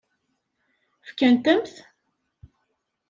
Fkant-am-t?